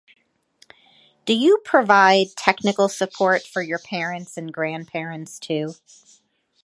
Do you provide technical support for your parents and grandparent too?